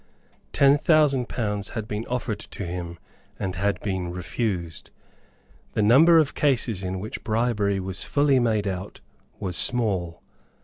Ten thousand pounds had been offered to him, and had been refused. The number of cases in which bribery was fully made out was small.